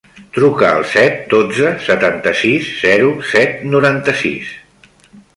Truca al set, dotze, setanta-sis, zero, set, noranta-sis.